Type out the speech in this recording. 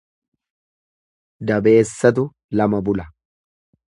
Dabeessatu lama bula.